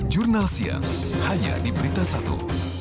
jurnal siang hanya di berita satu